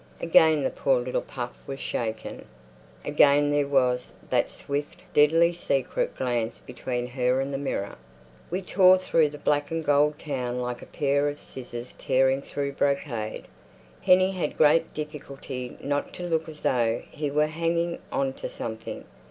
Again the poor little puff was shaken; again there was that swift, deadly secret glance between her and the mirror. We tore through the black and gold town like a pair of scissors tearing through brocade. Hennie had great difficulty not to look as though he were hanging on to something.